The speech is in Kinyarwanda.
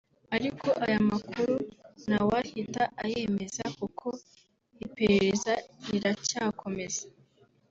ariko aya makuru ntawahita ayemeza kuko iperereza riracyakomeza